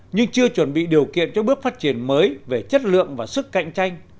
nhưng chưa chuẩn bị điều kiện cho bước phát triển mới về chất lượng và sức cạnh tranh